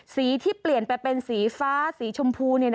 สีที่เปลี่ยนไปเป็นสีฟ้าสีชมพู